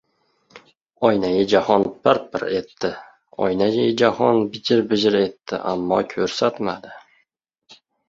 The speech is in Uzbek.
Oynaijahon pir-pir etdi, oynaijahoi bijir-bijir etdi — ammo ko‘rsatmadi.